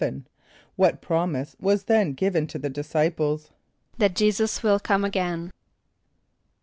= What promise was then given to the disciples? =That J[=e]´[s+]us will come again.